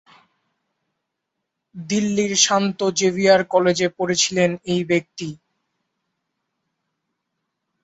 দিল্লির শান্ত জেভিয়ার কলেজে পড়েছিলেন এই ব্যক্তি।